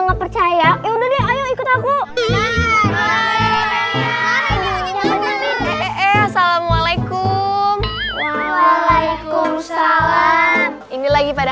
nggak percaya ya udah nih ayo ikut aku eh eh eh assalamualaikum waalaikumsalam ini lagi pada